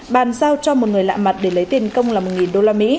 bàn giao cho một người lạ mặt để lấy tiền công là một usd